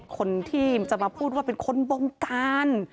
คนที่จะมาพูดว่าเป็นคนบงการ